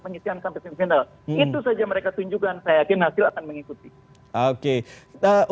penyisian sampai semifinal itu saja mereka tunjukkan saya yakin hasil akan mengikuti oke kita